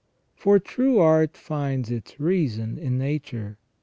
For true art finds its reason in nature.